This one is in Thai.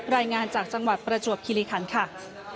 รายงานจากจังหวัดประจวบคิริคันค่ะ